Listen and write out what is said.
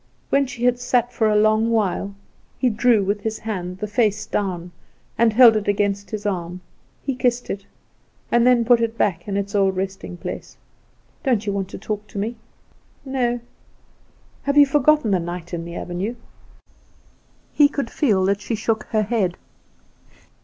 When she had sat for a long while, he drew with his hand the face down, and held it against his arm. He kissed it, and then put it back in its old resting place. "Don't you want to talk to me?" "No." "Have you forgotten the night in the avenue?" He could feel that she shook her head.